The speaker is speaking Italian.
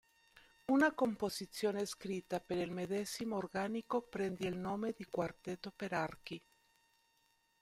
Una composizione scritta per il medesimo organico prende il nome di quartetto per archi.